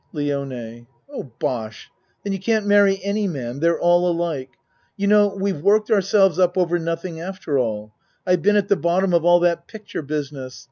LIONE Oh, bosh! Then you can't marry any man they're all alike. You know we've worked ourselves up over nothing after all. I've been at the bottom of all that picture business.